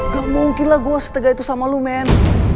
gak mungkin lah gua setegah itu sama lu men